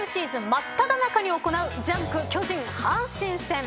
真っただ中に行う『ジャンク』巨人阪神戦。